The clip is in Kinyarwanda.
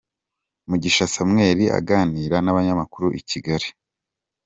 Mugisha Samuel aganira n'abanyamakuru i Kigali.